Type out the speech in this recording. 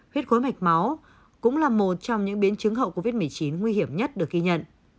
huyết khối mạch máu cũng là một trong những biến chứng hậu covid một mươi chín nguy hiểm nhất được ghi nhận